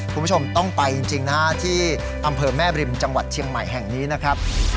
คุณผู้ชมต้องไปจริงนะฮะที่อำเภอแม่บริมจังหวัดเชียงใหม่แห่งนี้นะครับ